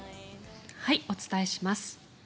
お伝えします。